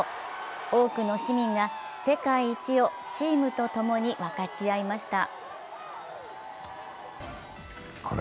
多くの市民が世界一をチームとともに分かち合いました。